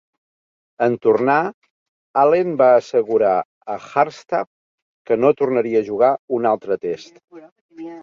En tornar, Allen va assegurar a Hardstaff que no tornaria a jugar un altre Test.